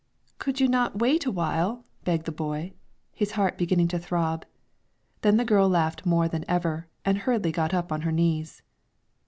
"Could you not wait a while," begged the boy, his heart beginning to throb. Then the girl laughed more than ever, and hurriedly got up on her knees.